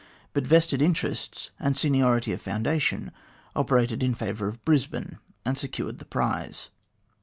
But vested interests and seniority of foundation operated in favour of Brisbane, and secured the prize.